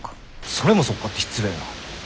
それもそっかって失礼な。